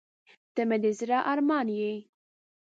• ته مې د زړه ارمان یې.